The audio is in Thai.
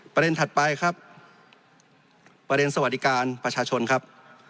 ถัดไปครับประเด็นสวัสดิการประชาชนครับ